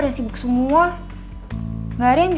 saya juga sayang sekali